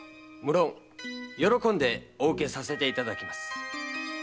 無論喜んでお受けさせていただきます。